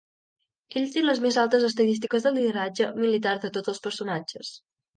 Ell té les més altes estadístiques de lideratge militar de tots els personatges.